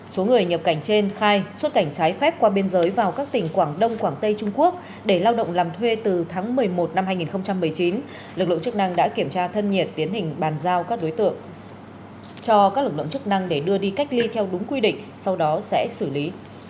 số người nhập cảnh trên khai xuất cảnh trái phép qua biên giới vào các tỉnh quảng đông quảng tây trung quốc để lao động làm thuê từ tháng một mươi một năm hai nghìn một mươi chín lực lượng chức năng đã kiểm tra thân nhiệt tiến hình bàn giao các đối tượng cho các lực lượng chức năng để đưa đi cách ly theo đúng quy định sau đó sẽ xử lý